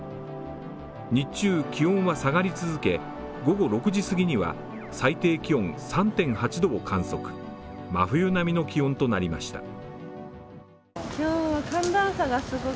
日中、気温は下がり続け午後６時すぎには最低気温３．８度を観測、真冬並みの気温となりました。